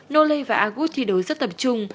nole và agut thi đấu rất tập trung